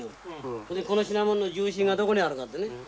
ほいでこの品物の重心がどこにあるかってね。